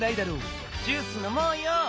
ジュースのもうよ！